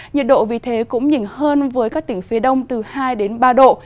nhiệt độ vì thế cũng nhỉnh hơn với các tỉnh phía đông từ hai đến ba độ